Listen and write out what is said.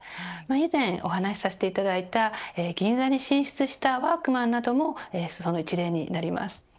以前お話しさせていただいた銀座に選出したワークマンなどもその一例です。